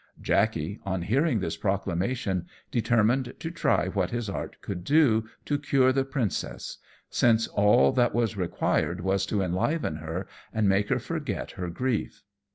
Jackey, on hearing this proclamation, determined to try what his art could do to cure the princess, since all that was required was to enliven her, and make her forget her grief.